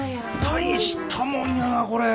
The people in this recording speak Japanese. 大したもんやなこれ。